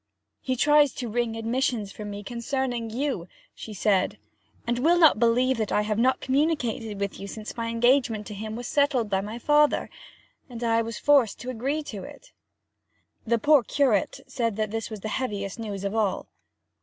'He tries to wring admissions from me concerning you,' she said, 'and will not believe that I have not communicated with you since my engagement to him was settled by my father, and I was forced to agree to it.' The poor curate said that this was the heaviest news of all.